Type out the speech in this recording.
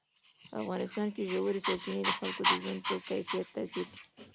په افغانستان کې ژورې سرچینې د خلکو د ژوند په کیفیت تاثیر کوي.